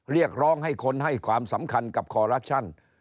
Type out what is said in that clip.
เรียกร้องให้คนให้ความสำคัญกับคอรัปชั่น